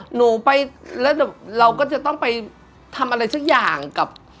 หนูไปแล้วเราก็จะต้องไปทำอะไรสักอย่างกับ